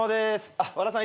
あっ和田さん。